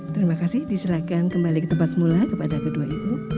terimakasih diserahkan kembali tempat semula kepada kedua ibu